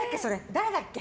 誰だっけ？